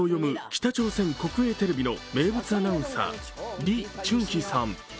北朝鮮国営テレビの名物アナウンサーリ・チュンヒさん。